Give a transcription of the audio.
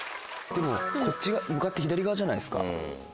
黒こっち向かって左側じゃないですか？